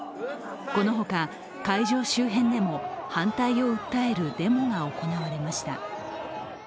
このほか、会場周辺でも反対を訴えるデモが行われました。